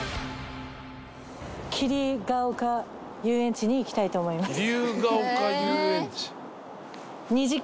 桐生が岡遊園地に行きたいと思います。